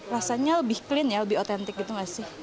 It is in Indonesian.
rasanya lebih clean ya lebih otentik gitu gak sih